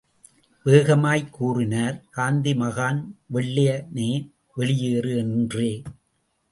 வேகமாய்க் கூறினர் காந்திமகான், வெள்ளைய னே, வெளி யேறு! என்றே.